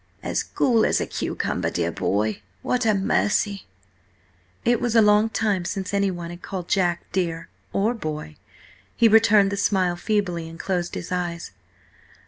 "As cool as a cucumber, dear boy. What a mercy!" It was a long time since anyone had called Jack dear, or boy. He returned the smile feebly and closed his eyes.